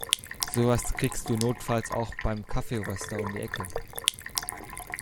Sowas kriegst du notfalls auch beim Kaffeeröster um die Ecke.